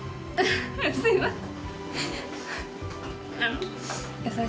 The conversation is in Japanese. すいません。